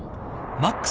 マックス！